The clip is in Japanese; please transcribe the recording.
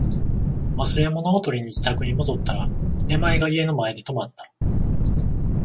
忘れ物を取りに自宅に戻ったら、出前が家の前で止まった